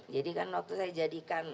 jadi kan waktu saya jadikan